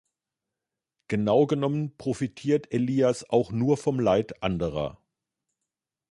Genau genommen profitiert Elias auch nur vom Leid anderer.